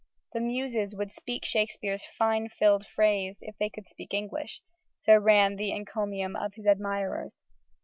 "The Muses would speak Shakespeare's fine filed phrase if they could speak English," so ran the encomium of his admirers.